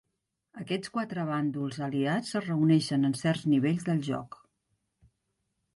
Aquests quatre bàndols aliats es reuneixen en certs nivells del joc.